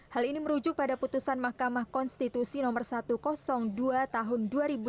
hal ini merujuk pada putusan mahkamah konstitusi no satu ratus dua tahun dua ribu lima belas